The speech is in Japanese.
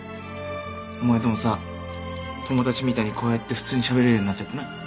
お前ともさ友達みたいにこうやって普通にしゃべれるようになっちゃってな。